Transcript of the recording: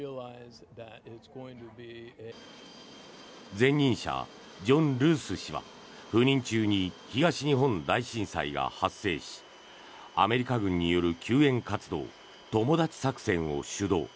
前任者ジョン・ルース氏は赴任中に東日本大震災が発生しアメリカ軍による救援活動トモダチ作戦を主導。